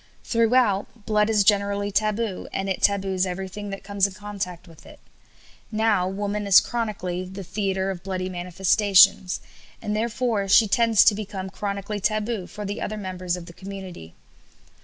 Throughout, blood is generally taboo, and it taboos everything that comes in contact with it. Now woman is chronically "the theatre of bloody manifestations," and therefore she tends to become chronically taboo for the other members of the community.